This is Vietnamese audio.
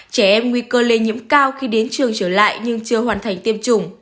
trẻ em nguy cơ lây nhiễm cao khi đến trường trở lại nhưng chưa hoàn thành tiêm chủng